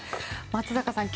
松坂さん